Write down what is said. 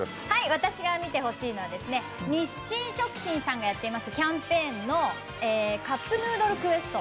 私が見てほしいのは日清食品さんがやってますキャンペーンの「カップヌードルクエスト」